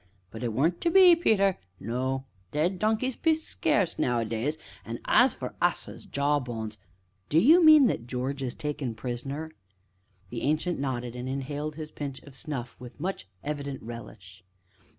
But it weren't to be, Peter, no; dead donkeys be scarce nowadays, an' as for asses' jaw bones " "Do you mean that George is taken a prisoner?" The Ancient nodded, and inhaled his pinch of snuff with much evident relish.